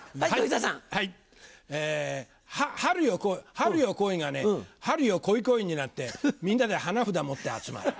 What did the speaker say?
「春よ来い」がね「春よこいこい」になってみんなで花札持って集まる。